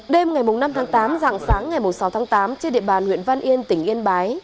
đêm ngày năm tháng tám dạng sáng ngày sáu tháng tám trên địa bàn huyện văn yên tỉnh yên bái